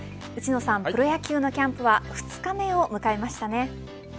内野さん、プロ野球のキャンプは２日目を迎えましたね。